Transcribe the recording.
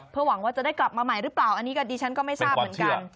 เพื่อหวังว่าจะได้กลับมาใหม่หรือเปล่าอันนี้ก็ดิฉันก็ไม่ทราบเหมือนกัน